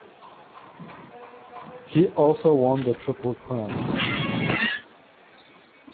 He also won the Triple Crown.